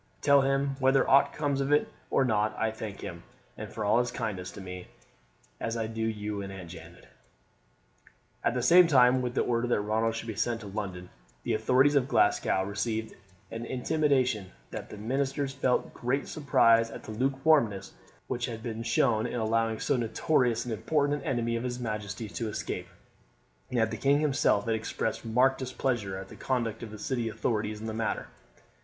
Tell him, whether aught comes of it or not I thank him, and for all his kindness to me, as I do you and Aunt Janet." At the same time with the order that Ronald should be sent to London the authorities of Glasgow received an intimation that the ministers felt great surprise at the lukewarmness which had been shown in allowing so notorious and important an enemy of his majesty to escape, and that the king himself had expressed marked displeasure at the conduct of the city authorities in the matter.